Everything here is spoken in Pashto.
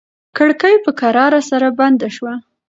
کړکۍ په کراره سره بنده شوه.